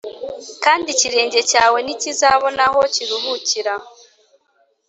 kandi ikirenge cyawe ntikizabona aho kiruhukira